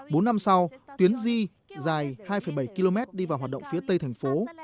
bốn năm sau tuyến di dài hai bảy km đi vào hoạt động phía tây thành phố